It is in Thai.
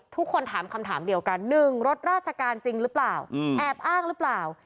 ทุกคนถามคำถามเดียวกัน๑รถราชการจริงหรือเปล่าแอบอ้างหรือเปล่า